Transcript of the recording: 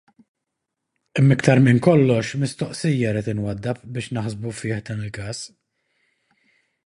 Imma iktar minn kollox mistoqsija rrid inwaddab biex naħsbu fih dan il-każ.